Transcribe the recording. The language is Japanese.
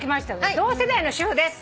「同世代の主婦です。